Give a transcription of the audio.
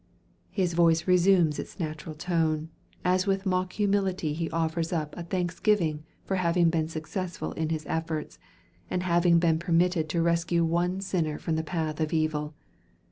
His voice resumes its natural tone, as with mock humility he offers up a thanksgiving for having been successful in his efforts, and having been permitted to rescue one sinner from the path of evil.